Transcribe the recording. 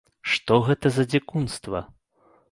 Што гэта за дзікунства?